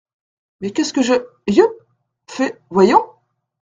Mais qu’est-ce que je… yupp ! fais, voyons ?